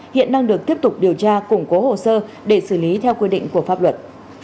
hiện đang được tiếp tục điều tra củng cố hồ sơ để xử lý theo quy định của pháp luật